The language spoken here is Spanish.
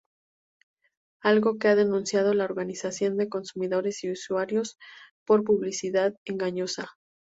Algo que ha denunciado la Organización de Consumidores y Usuarios por publicidad engañosa.